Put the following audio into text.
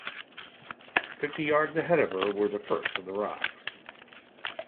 Fifty yards ahead of her were the first of the rocks.